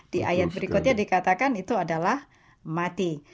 di ayat berikutnya dikatakan itu adalah mati